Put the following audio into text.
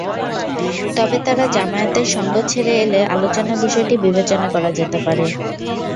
তবে তারা জামায়াতের সঙ্গ ছেড়ে এলে আলোচনার বিষয়টি বিবেচনা করা যেতে পারে।